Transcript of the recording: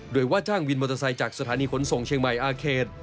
โดยว่าจ้างวินมอเตอร์ไซค์จากสถานีขนส่งเชียงใหม่อาเขต